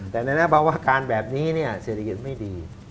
แต่ในภาวะการแบบนี้เนี่ยเศรษฐกิจไม่ดี